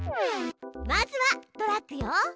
まずはドラッグよ。